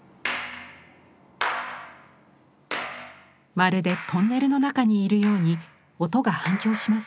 まるでトンネルの中にいるように音が反響します。